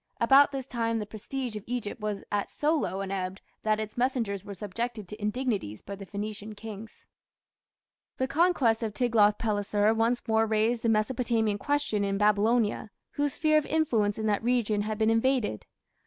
About this time the prestige of Egypt was at so low an ebb that its messengers were subjected to indignities by the Phoenician kings. The conquests of Tiglath pileser once more raised the Mesopotamian question in Babylonia, whose sphere of influence in that region had been invaded.